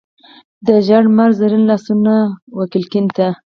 د ژړ لمر زرین لاسونه وکړکۍ ته،